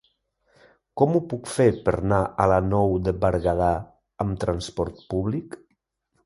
Com ho puc fer per anar a la Nou de Berguedà amb trasport públic?